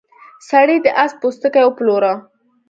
سړي د اس پوستکی وپلوره.